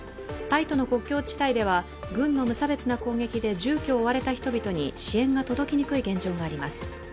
タイとの国境地帯では軍の無差別な攻撃で住居を追われた人々に支援が届きにくい現状があります。